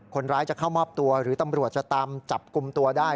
คนร้ายจะเข้ามอบตัวหรือตำรวจจะตามจับกลุ่มตัวได้